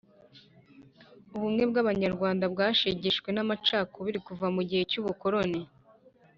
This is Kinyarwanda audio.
ubumwe bw’abanyarwanda bwashegeshwe n’amacakubiri kuva mu gihe cy’ubukoroni.